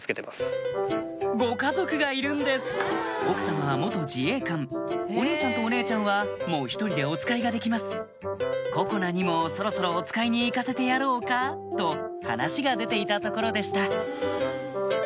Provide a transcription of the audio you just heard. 奥様は自衛官お兄ちゃんとお姉ちゃんはもう一人でおつかいができます「心菜にもそろそろおつかいに行かせてやろうか？」と話が出ていたところでした